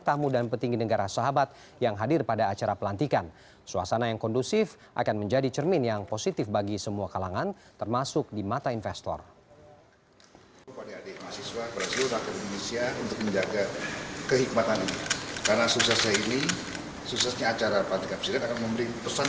tapi juga tanpa mengurangi kehidupan dan keaduan dari acara itu